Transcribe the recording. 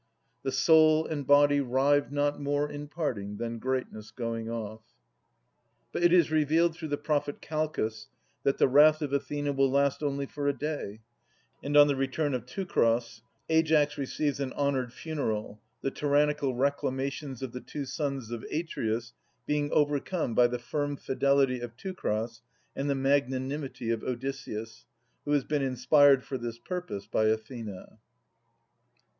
(' The soul and body rive not more in parting Than greatness going ofi".') But it is revealed through the prophet Calchas, that the wrath of Athena will last only for a day ; and on the return of Teucer, Aias receives an honoured funeral, the tyrannical reclamations of the two sons of Atreus being overcome by the firm fidelity of Teucer and the magnanimity of Odysseus, who has been inspired for this purpose by Athena.